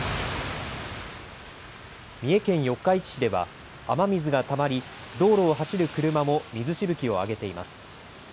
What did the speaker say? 三重県四日市市では雨水がたまり、道路を走る車も水しぶきを上げています。